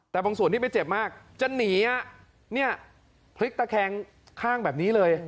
แต่บางส่วนที่ไม่เจ็บมากจะหนีเนี่ยพลิกตะแคงข้างแบบนี้เลย